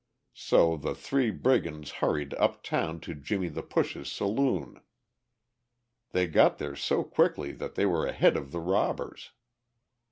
So the "Three Brigands" hurried uptown to "Jimmie the Push's" saloon. They got there so quickly that they were ahead of the robbers.